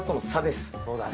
そうだね。